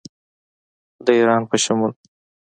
د ایران په شمول